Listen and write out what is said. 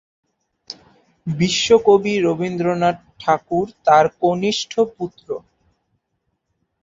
বিশ্বকবি রবীন্দ্রনাথ ঠাকুর তার কনিষ্ঠ পুত্র।